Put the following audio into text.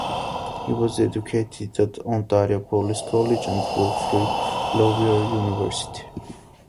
He was educated at Ontario Police College and Wilfrid Laurier University.